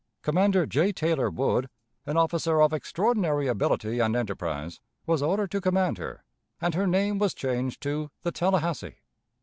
Commander J. Taylor Wood, an officer of extraordinary ability and enterprise, was ordered to command her, and her name was changed to "The Tallahassee."